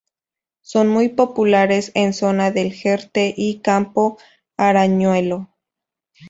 Son muy populares en zona del Jerte y Campo Arañuelo.